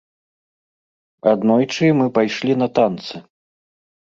Аднойчы мы пайшлі на танцы.